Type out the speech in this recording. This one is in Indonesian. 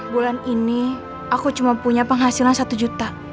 bulan ini aku cuma punya penghasilan satu juta